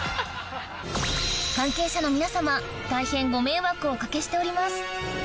関係者の皆様大変ご迷惑をお掛けしております